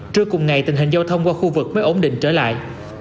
trưa cùng ngày tình hình giao thông qua khu vực mới ổn định trở lại